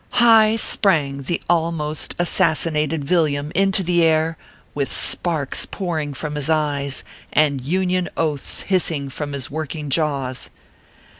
High sprang the almost assassinated Villiam into the air, with sparks pouring from his eyes, and Union oaths hissing from his working jaws.